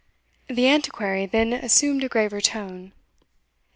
The Antiquary then assumed a graver tone.